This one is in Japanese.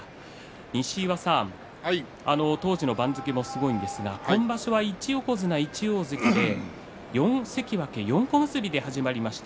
西岩さん当時の番付もすごいんですが今場所は１横綱１大関で４関脇４小結で始まりました。